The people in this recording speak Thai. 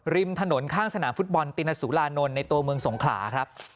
ริมถนนข้างสนามฟุตบอลตินสุรานนท์ในตัวเมืองสงขลาครับ